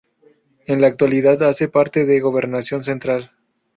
En la actualidad hace parte de Gobernación Central.